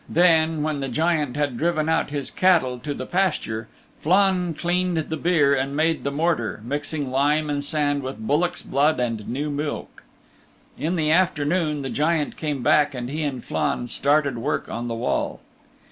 Then, when the Giant had driven out his cattle to the pasture Flann cleaned the byre and made the mortar, mixing lime and sand with bullock's blood and new milk. In the afternoon the Giant came back and he and Flann started work on the wall.